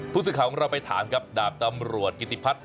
ผู้สื่อข่าวของเราไปถามกับดาบตำรวจกิติพัฒน